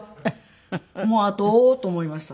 もうあと追おうと思いました。